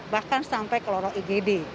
bahkan sampai ke lorong igd